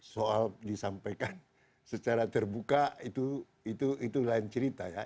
soal disampaikan secara terbuka itu lain cerita ya